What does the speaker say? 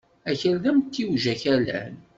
Akal d amtiweg akalan.